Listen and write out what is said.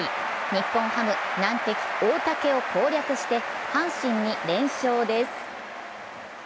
日本ハム、難敵・大竹を攻略して阪神に連勝です。